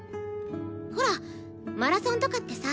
ほらマラソンとかってさ